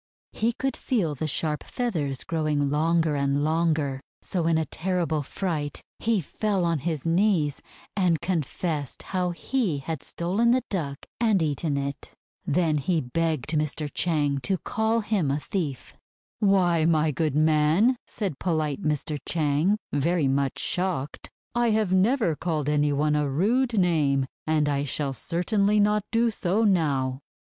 He could feel the sharp feathers growing longer and longer, so in a terrible fright he fell on his knees, and confessed how he had stolen the Duck and eaten it. Then he begged Mr. Chang to call him a thief. "Why, my good man," said polite Mr. Chang, very much shocked, 'I have never called any one a rude name, and I shall certainly not do so now.'